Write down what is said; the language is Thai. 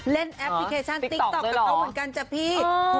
เล่นแอปพลิเคชันติ๊กต๊อกกับเขากันจ้ะพี่